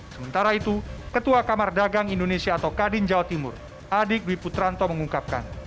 sementara itu ketua kamar dagang indonesia atau kadin jawa timur adik dwi putranto mengungkapkan